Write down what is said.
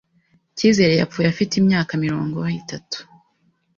Cyizere yapfuye afite imyaka mirongo itatu.